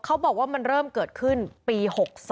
เขาบอกว่ามันเริ่มเกิดขึ้นปี๖๒